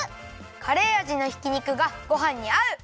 カレーあじのひき肉がごはんにあう！